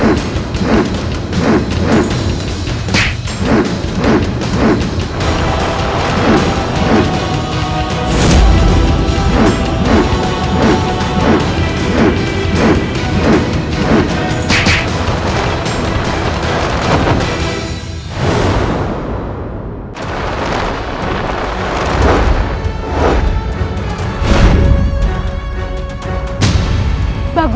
kau ad inten terhadap r dua ribu dua puluh satu berccs dan sobrebeu